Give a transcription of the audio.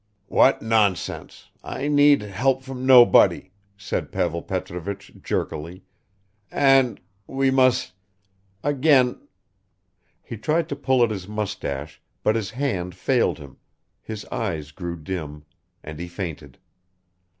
"What nonsense ... I need help from nobody," said Pavel Petrovich jerkily, "and we must again ..." He tried to pull at his mustache, but his hand failed him, his eyes grew dim, and he fainted.